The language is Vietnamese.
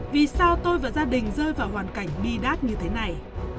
vì sao tôi và gia đình rơi vào hoàn cảnh bi đát như thế này